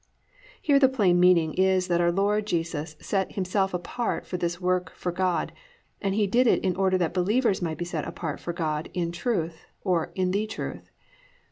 "+ Here the plain meaning is that our Lord Jesus set Himself apart for this work for God and He did it in order that believers might be set apart for God "in truth," or "in the truth."